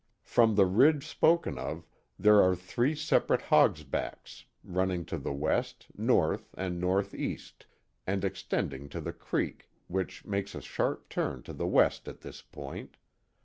From the ridge spoken of^ there are three separate " hogsbacks" tunning to the west, north, and northeast, and extending to the creek, which makes a sharp turn to the west at this point.